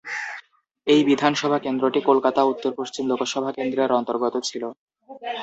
এই বিধানসভা কেন্দ্রটি কলকাতা উত্তর পশ্চিম লোকসভা কেন্দ্রের অন্তর্গত ছিল।